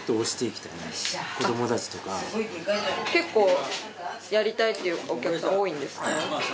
結構やりたいって言うお客さん多いんですか？